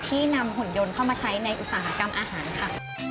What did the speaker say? ที่นำหุ่นยนต์เข้ามาใช้ในอุตสาหกรรมอาหารค่ะ